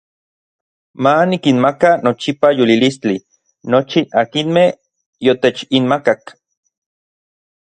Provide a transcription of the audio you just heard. Ma nikinmaka nochipa yolilistli nochi akinmej yotechinmakak.